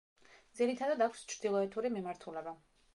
ძირითადად აქვს ჩრდილოეთური მიმართულება.